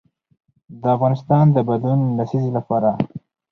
د افغانستان د بدلون لسیزې لپاره.